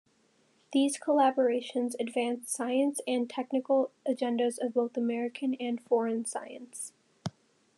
These collaborations advance science and technical agendas of both American and foreign science.